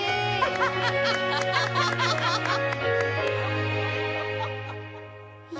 ハハハハッ！